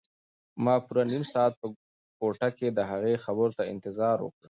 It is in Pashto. ما پوره نیم ساعت په کوټه کې د هغه خبرو ته انتظار وکړ.